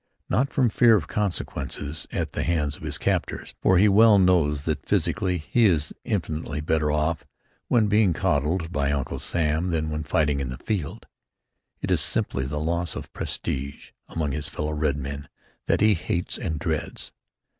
Not from fear of consequences at the hands of his captors, for he well knows that, physically, he is infinitely better off when being coddled by Uncle Sam than when fighting in the field. It is simply the loss of prestige among his fellow red men that he hates and dreads.